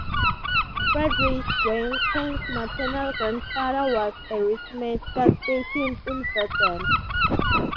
Friedrich Wyneken's maternal grandfather was a Rittmeister stationed in Verden.